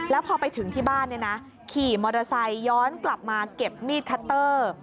แล้วพอไปถึงที่บ้านขี่มอเตอร์ไซค์ย้อนกลับมาเก็บมีดคัตเตอร์